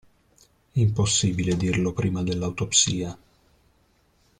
Impossibile dirlo prima dell'autopsia.